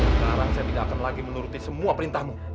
sekarang saya tidak akan lagi menuruti semua perintahmu